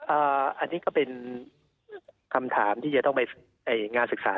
อันนี้ก็เป็นคำถามที่จะต้องไปงานศึกษา